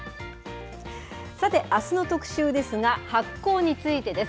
さて、あすの特集ですが、発酵についてです。